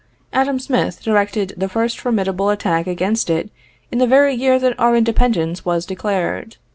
Adam Smith directed the first formidable attack against it in the very year that our independence was declared.